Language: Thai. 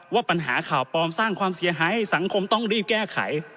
ว่าปัญหาข่าวปลอมสร้างความเสียหายให้สังคมต้องรีบแก้ไข